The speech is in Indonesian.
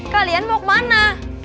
kalian mau kemana